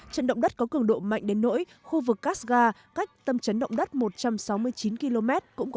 trận động đất có cường độ mạnh đến nỗi khu vực kasgar cách tâm trấn động đất một trăm sáu mươi chín km